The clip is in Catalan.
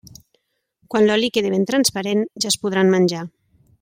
Quan l'oli quedi ben transparent, ja es podran menjar.